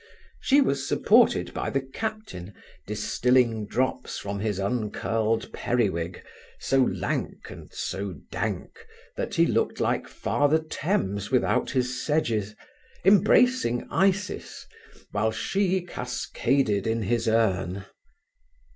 She was supported by the captain, distilling drops from his uncurled periwig, so lank and so dank, that he looked like Father Thames without his sedges, embracing Isis, while she cascaded in his urn.